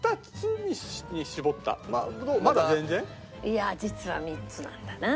いや実は３つなんだな。